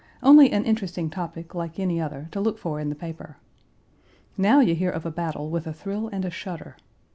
Only an interesting topic, like any other, to look for in the paper. Now you hear of a battle with a thrill and a shudder.